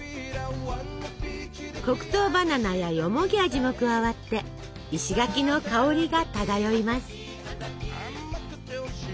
黒糖バナナやよもぎ味も加わって石垣の香りが漂います。